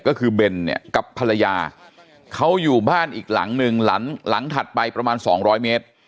ก็คือเบนเนี่ยกับภรรยาเขาอยู่บ้านอีกหลังหนึ่งหลังถัดไปประมาณ๒๐๐เมตร